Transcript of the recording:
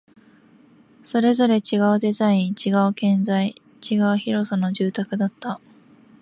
それぞれ違うデザイン、違う建材、違う広さの住宅だった